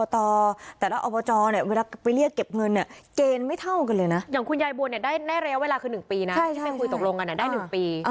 ที่เป็นคุยตกลงกันเนี่ยได้๑ปี